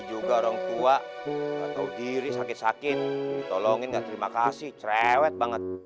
juga orang tua atau diri sakit sakit ditolongin gak terima kasih cerewet banget